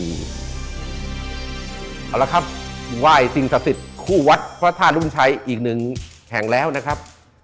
เอาละครับว่ายสิงห์ศาสิทธิ์คู่วัดพระท่านรุ่นชัยอีกหนึ่งแห่งแล้วนะครับ